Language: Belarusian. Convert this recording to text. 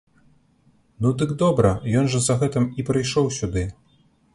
Ну, дык добра, ён жа за гэтым і прыйшоў сюды.